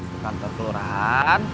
ke kantor kelurahan